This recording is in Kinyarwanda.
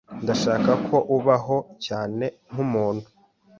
Ndashaka ko ubaho cyane nkumuntu.